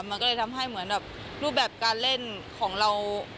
มันก็เลยทำให้เหมือนแบบรูปแบบการเล่นของเรา